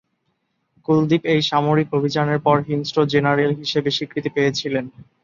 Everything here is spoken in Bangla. কুলদীপ এই সামরিক অভিযানের পর হিংস্র জেনারেল হিসেবে স্বীকৃতি পেয়েছিলেন।